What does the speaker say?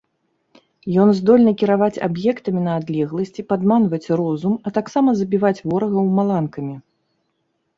Ён здольны кіраваць аб'ектамі на адлегласці, падманваць розум, а таксама забіваць ворагаў маланкамі.